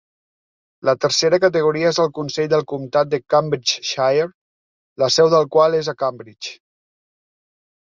La tercera categoria és el Consell del Comtat de Cambridgeshire, la seu del qual és a Cambridge.